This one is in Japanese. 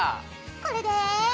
これで。